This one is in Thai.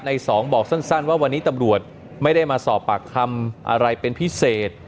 ในสองบอกสั้นว่าวันนี้ตำรวจไม่ได้มาสอบปากคำอะไรเป็นพิเศษ